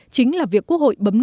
chính là việc quốc hội thống định